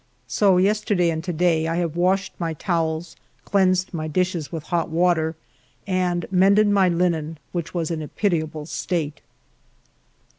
So yesterday and to day I have washed my towels, cleansed my dishes with hot water, and mended my linen, which was in a pitiable state.